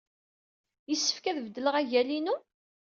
Yessefk ad beddleɣ agal-inu?